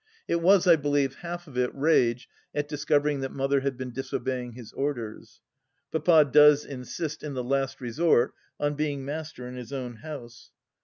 It was, I believe, half of it rage at discovering that Mother had been disobeying his orders. Papa does insist, in the last resort, on being master in his own house.